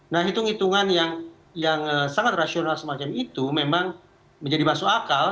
nah hitung hitungan yang sangat rasional semacam itu memang menjadi masuk akal